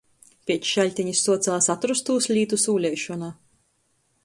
Piec šaļtenis suocās atrostūs lītu sūleišona.